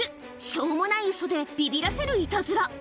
しょうもないウソでびびらせるいたずら。